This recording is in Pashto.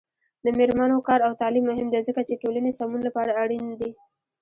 د میرمنو کار او تعلیم مهم دی ځکه چې ټولنې سمون لپاره اړین دی.